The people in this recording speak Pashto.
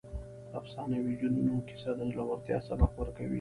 د افسانوي جنونو کیسه د زړورتیا سبق ورکوي.